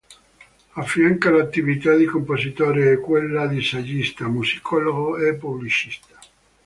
Affianca l'attività di compositore a quella di saggista, musicologo e pubblicista.